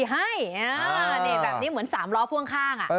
แบบนี้เหมือนสามล้อพล่วงข้าง